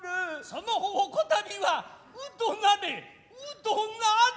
その方こたびは鵜となれ鵜となれ。